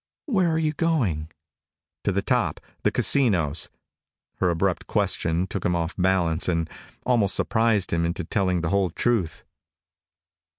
"Where are you going?" "To the top the casinos." Her abrupt question took him off balance and almost surprised him into telling the whole truth.